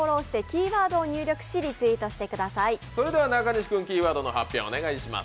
中西君、キーワードの発表をお願いします。